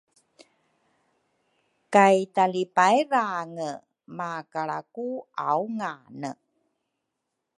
Kay talipairange makalra ku aungane